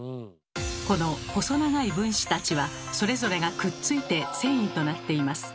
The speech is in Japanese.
この細長い分子たちはそれぞれがくっついて繊維となっています。